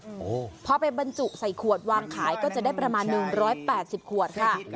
โอ้โหพอไปบรรจุใส่ขวดวางขายก็จะได้ประมาณหนึ่งร้อยแปดสิบขวดค่ะ